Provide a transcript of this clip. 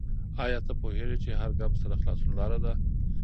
آیا ته پوهېږې چې هر ګام ستا د خلاصون لاره ده؟